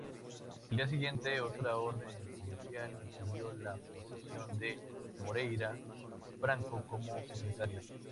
Al día siguiente, otra orden judicial impidió la posesión de Moreira Franco como secretario.